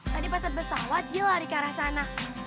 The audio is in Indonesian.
tadi pas beresawat dia lari ke arah sana